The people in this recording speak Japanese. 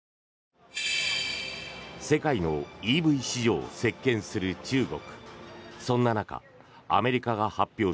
世界のＥＶ市場を席巻する中国。